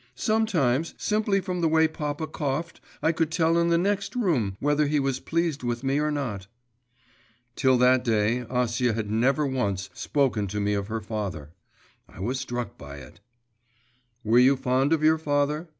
'Sometimes, simply from the way papa coughed, I could tell in the next room whether he was pleased with me or not.' Till that day Acia had never once spoken to me of her father. I was struck by it. 'Were you fond of your father?